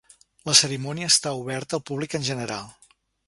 La cerimònia està oberta al públic en general.